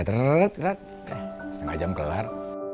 setengah jam kelar